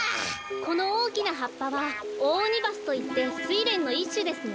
このおおきなはっぱはオオオニバスといってスイレンのいっしゅですね。